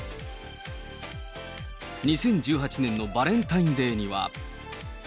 ２０１８年のバレンタインデーには。